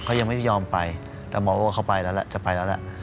เขายังไม่ยอมไปแต่หมอบอกว่าเขาไปแล้วแหละจะไปแล้วแหละ